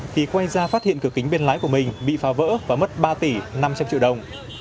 thì quay ra phát hiện cửa kính bên lái của mình bị phá vỡ và mất ba tỷ năm trăm linh triệu đồng